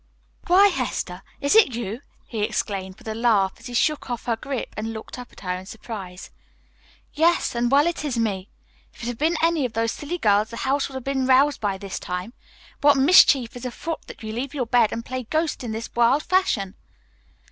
"Why, Hester, is it you?" he exclaimed with a laugh, as he shook off her grip and looked up at her in surprise. "Yes, and well it is me. If it had been any of those silly girls, the house would have been roused by this time. What mischief is afoot that you leave your bed and play ghost in this wild fashion?"